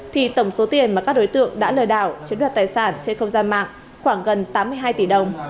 thì tổng số tiền mà các đối tượng đã lừa đảo chiếm đoạt tài sản trên không gian mạng khoảng gần tám mươi hai tỷ đồng